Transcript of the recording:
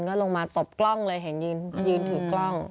ก็ลงมาตบกล้องเลยเห็นยืนถือกล้อง